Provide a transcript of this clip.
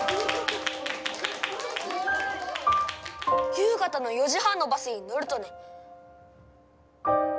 夕方の４時半のバスに乗るとね！？